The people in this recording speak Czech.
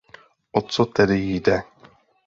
O co tedy jde?